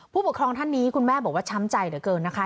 ผู้ปกครองท่านนี้คุณแม่บอกว่าช้ำใจเหลือเกินนะคะ